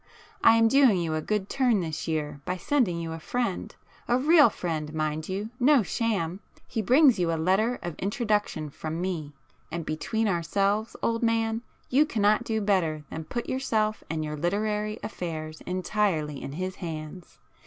I am doing you a good turn this year by sending you a friend,—a real friend, mind you!—no sham. He brings you a letter of introduction from me, and between ourselves, old man, you cannot do better than put yourself and your literary affairs entirely in his hands.